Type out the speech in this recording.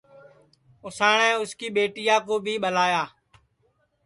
اُساٹؔے اُس کی ٻیٹیا کُو بھی ٻلایا